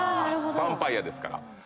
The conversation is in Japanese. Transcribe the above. バンパイアですから。